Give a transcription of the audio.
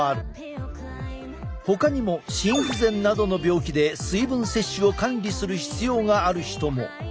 ほかにも心不全などの病気で水分摂取を管理する必要がある人も。